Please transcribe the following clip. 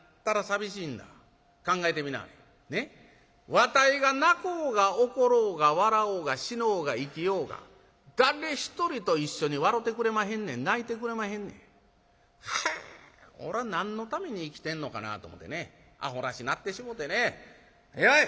わたいが泣こうが怒ろうが笑おうが死のうが生きようが誰一人と一緒に笑てくれまへんねん泣いてくれまへんねん。はあおら何のために生きてんのかなと思てねアホらしなってしもうてねやい！